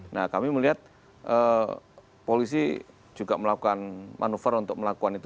nah kami melihat polisi juga melakukan manuver untuk melakukan itu